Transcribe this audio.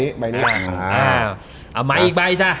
เอาใหม่อีกใบจ้ะ